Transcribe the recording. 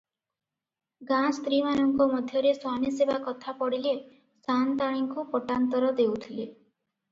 ଗାଁ ସ୍ତ୍ରୀମାନଙ୍କ ମଧ୍ୟରେ ସ୍ୱାମୀସେବା କଥା ପଡ଼ିଲେ, ସାଆନ୍ତାଣୀଙ୍କୁ ପଟାନ୍ତର ଦେଉଥିଲେ ।